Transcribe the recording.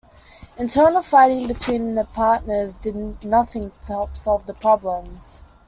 Internal fighting between the partners did nothing to help solve the problems.